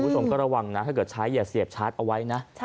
คุณผู้ชมก็ระวังนะถ้าเกิดใช้อย่าเสียบชาร์จเอาไว้นะ